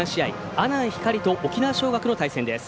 阿南光と沖縄尚学の対戦です。